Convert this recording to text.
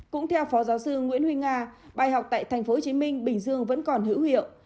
cũng theo phó giáo sư nguyễn huy nga bài học tại tp hcm bình dương vẫn còn hữu hiệu